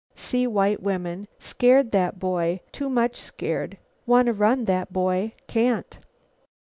See white women; scared, that boy, too much scared. Wanna run, that boy. Can't.